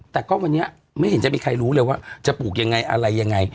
แต่ก็วันนี้ไม่เห็นจะมีใครรู้เลยว่าจะปลูกยังไงอะไรยังไง